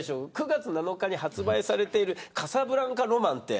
９月７日に発売されているカサブランカ浪漫って。